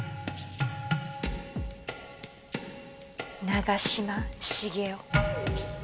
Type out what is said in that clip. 長嶋茂雄。